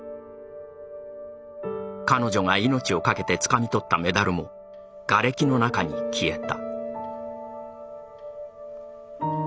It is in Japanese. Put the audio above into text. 彼女が命を懸けてつかみ取ったメダルもがれきの中に消えた。